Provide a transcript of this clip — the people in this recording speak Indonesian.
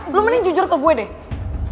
gue mending jujur ke gue deh